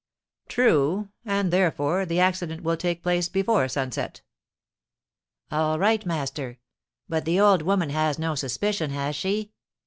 'True; and, therefore, the accident will take place before sunset.' 'All right, master; but the old woman has no suspicion, has she?'